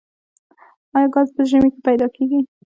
آیا ګاز په ژمي کې پیدا کیږي؟